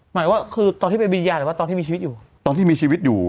หมายว่าคือตอนที่ไปบิญญาณหรือว่าตอนที่มีชีวิตอยู่